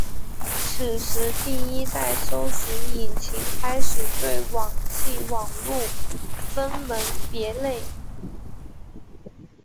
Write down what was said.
此时第一代搜寻引擎开始对网际网路分门别类。